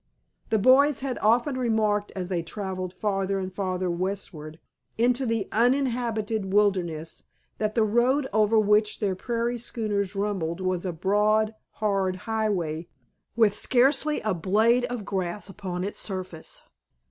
The boys had often remarked as they traveled farther and farther westward into the uninhabited wilderness that the road over which their prairie schooners rumbled was a broad, hard highway, with scarcely a blade of grass upon its surface.